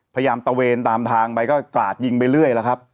พยายามตะเวนตามทางไปก็กราดยิงไปเรื่อยแล้วครับ